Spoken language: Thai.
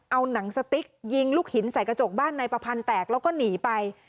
เอาหนังสติ๊กยิงลูกหินใส่กระจกบ้านนายประพันธ์แตกแล้วก็หนีไป